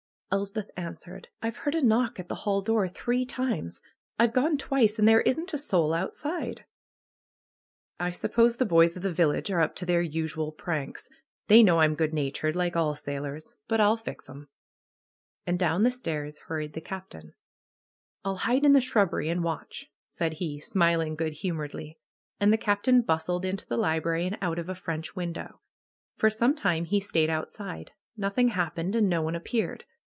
Elspeth answered: ^H've lieard a knock at the hall door three times. I've gone twice, and there isn't a soul outside." suppose the boys of the village are up to their usual pranks. They know I'm good natured, like all sailors. But I'll fix 'em!" And down the stairs hurried the Captain. 128 THE KNELL OF NAT PAGAN 'H'll hide in the shrubbery and watch/^ said he, smi ling good humoredly. And the Captain bustled into the library, and out of a French window. For some time he stayed outside. Nothing happened and no one appeared.